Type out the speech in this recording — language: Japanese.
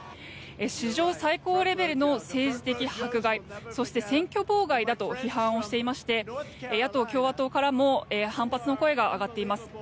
史上最高レベルの政治的迫害そして、選挙妨害だと批判をしていまして野党・共和党からも反発の声が上がっています。